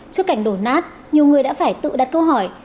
trước cảnh đổ nát nhiều người đã phải tự đặt câu hỏi